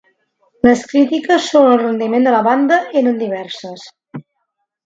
Les crítiques sobre el rendiment de la banda eren diverses.